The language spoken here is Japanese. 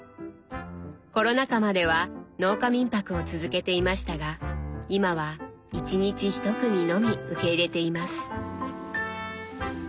コロナ禍までは農家民泊を続けていましたが今は一日１組のみ受け入れています。